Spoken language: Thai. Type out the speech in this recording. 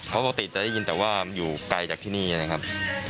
เพราะปกติจะได้ยินแต่ว่ามันอยู่ไกลจากที่นี่นะครับ